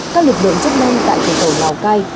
các lực lượng chức năng tại cửa khẩu lào cai